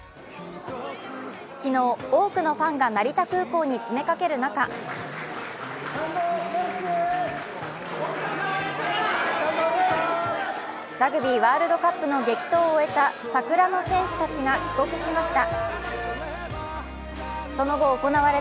昨日、多くのファンが成田空港に詰めかける中ラグビーワールドカップの激闘を終えた桜の戦士たちが帰国しました。